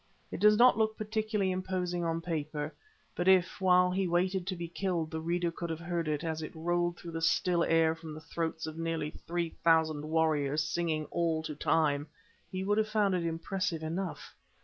It does not look particularly imposing on paper, but if, while he waited to be killed, the reader could have heard it as it rolled through the still air from the throats of nearly three thousand warriors singing all to time, he would have found it impressive enough.